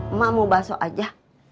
emang mau basok aja